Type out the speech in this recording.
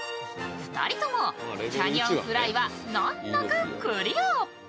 ２人とも、キャニオンフライは難なくクリア。